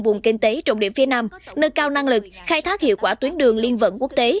vùng kinh tế trọng điểm phía nam nâng cao năng lực khai thác hiệu quả tuyến đường liên vận quốc tế